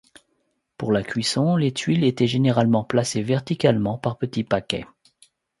Pour la cuisson, les tuiles étaient généralement placées verticalement par petits paquets.